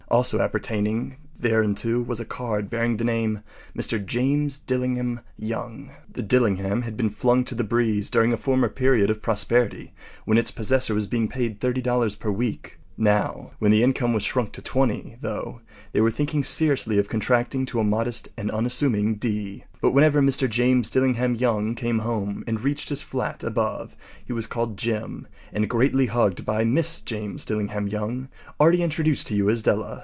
Also appertaining thereunto was a card bearing the name “Mr. James Dillingham Young.” The “Dillingham” had been flung to the breeze during a former period of prosperity when its possessor was being paid $30 per week. Now, when the income was shrunk to $20, though, they were thinking seriously of contracting to a modest and unassuming D. But whenever Mr. James Dillingham Young came home and reached his flat above he was called “Jim” and greatly hugged by Mrs. James Dillingham Young, already introduced to you as Della.